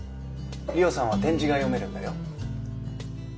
理生さんは点字が読めるんだよ。